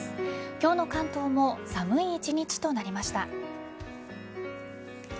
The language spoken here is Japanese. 今日の関東も寒い一日となりました。